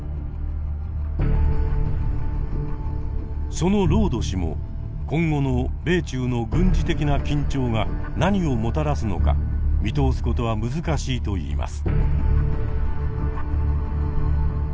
そのロード氏も今後の米中の軍事的な緊張が何をもたらすのか見通すことは難しいといいます。